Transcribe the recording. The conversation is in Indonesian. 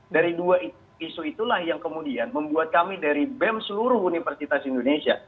dari dua isu itulah yang kemudian membuat kami dari bem seluruh universitas indonesia